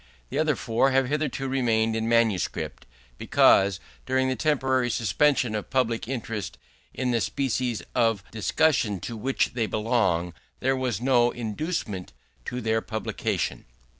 The other four have hitherto remained in manuscript, because, during the temporary suspension of public interest in the species of discussion to which they belong, there was no inducement to their publication.